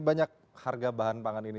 banyak harga bahan pangan ini